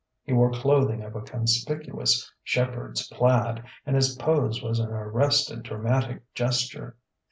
He wore clothing of a conspicuous shepherd's plaid, and his pose was an arrested dramatic gesture.